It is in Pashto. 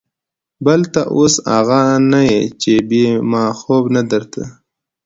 بل ته اوس اغه نه يې چې بې ما خوب نه درته.